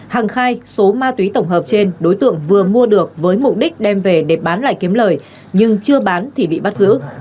hằng khai số ma túy tổng hợp trên đối tượng vừa mua được với mục đích đem về để bán lại kiếm lời nhưng chưa bán thì bị bắt giữ